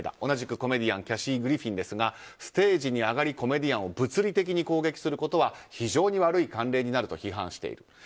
同じくコメディアンのキャシー・グリフィンですがステージに上がりコメディアンを物理的に攻撃することは非常に悪い慣例になると批判している。